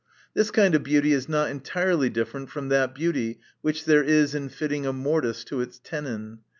This kind of beauty is not entirely differ ent from that beauty which there is in fitting a mortise to its tenon.